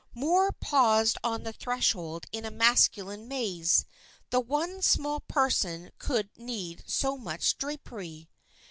Moor paused on the threshold in a masculine maze, that one small person could need so much drapery.